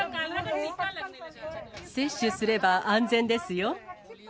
接種すれば安全ですよ。